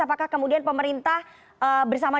apakah kemudian pemerintah bersama